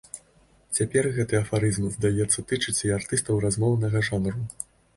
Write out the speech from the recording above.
Цяпер гэты афарызм, здаецца, тычыцца і артыстаў размоўнага жанру.